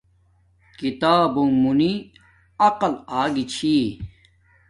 کتابونگ مونی عقل آگا چھی